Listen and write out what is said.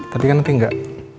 tapi kan nanti enggak